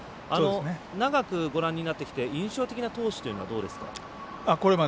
長くご覧になってきて印象的な投手はどうですか？